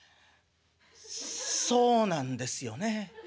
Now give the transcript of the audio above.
「そうなんですよね